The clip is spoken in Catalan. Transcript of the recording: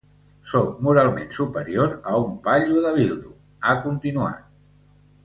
“Sóc moralment superior a un paio de Bildu”, ha continuat.